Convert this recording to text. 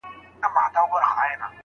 که تولیدي مؤسسې نه وای ستونزې به وې.